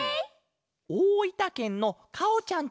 おおいたけんの「かおちゃん」